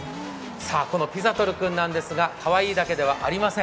このピザトルくんなんですが、かわいいだけではありません。